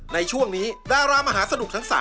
ในช่วงนี้ดารามหาสนุกทั้ง๓